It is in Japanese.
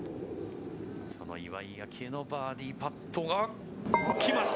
この岩井明愛のバーディーパットが来ました！